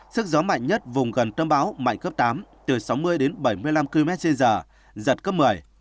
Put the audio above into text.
sức gió mạnh nhất vùng gần tâm bão mạnh cấp tám từ sáu mươi đến bảy mươi năm km trên giờ giật cấp một mươi